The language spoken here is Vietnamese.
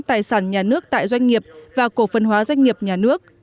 tài sản nhà nước tại doanh nghiệp và cổ phần hóa doanh nghiệp nhà nước